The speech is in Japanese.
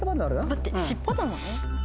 だってしっぽだもんね。